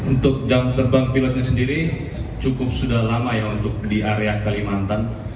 untuk jam terbang pilotnya sendiri cukup sudah lama ya untuk di area kalimantan